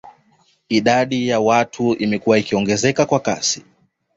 Idadi ya watu imekuwa inaongezeka kwa kasi